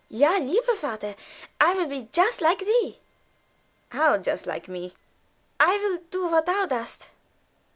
"Ja, lieber Vater, I will be just like thee." "How just like me?" "I will do what thou dost."